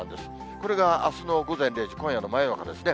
これがあすの午前０時、今夜の真夜中ですね。